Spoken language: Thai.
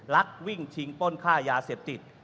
ลักวิ่งชิงป้นค่ายาเสพติด